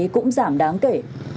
cũng giảm đáng kể